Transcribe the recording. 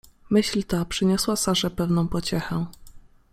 Myśl ta przyniosła Sarze pewną pociechę.